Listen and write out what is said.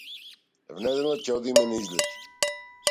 В недела ќе одиме на излет.